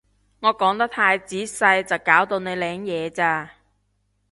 我講得太仔細就搞到你領嘢咋